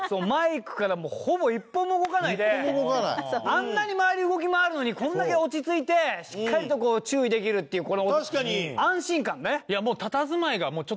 あんなに周り動き回るのにこんだけ落ち着いてしっかりと注意できるっていうこの安心感ね。